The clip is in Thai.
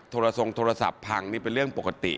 โทรทรงโทรศัพท์พังนี่เป็นเรื่องปกติ